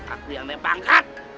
aku yang naik bangkat